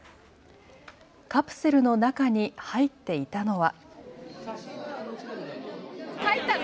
カプセルの中に入っていたのは。